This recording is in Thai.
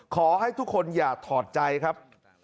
ขอให้ทุกคนอย่าถอดใจครับ